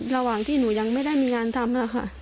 ระหว่างหนูยังไม่ได้มีงานทำ